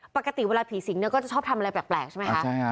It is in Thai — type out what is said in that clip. ปกติเวลาผีสิงเดียวก็จะชอบทำอะไรแปลกใช่ไหมคะอ่าใช่นะ